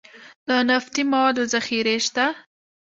د نفتي موادو ذخیرې شته